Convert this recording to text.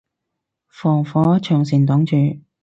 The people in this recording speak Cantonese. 防火長城擋咗